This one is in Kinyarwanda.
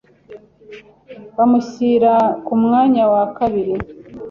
bamushyira ku mwanya wa kabiri